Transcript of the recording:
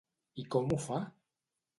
I com ho fa?